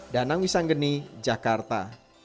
danang wisanggeni jakarta